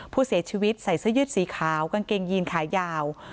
ผู้เสียชีวิตใส่เสื้อยืดสีขาวกางเกงยีนขายาว